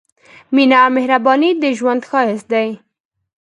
مينه او مهرباني د ژوند ښايست دی